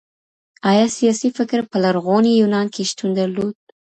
ايا سياسي فکر په لرغوني يونان کي شتون درلود؟